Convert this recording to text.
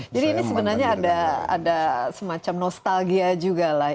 jadi ini sebenarnya ada semacam nostalgia juga lah